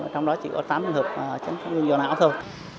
trong đó chỉ có tám trường hợp chấn công nhân dân áo thôi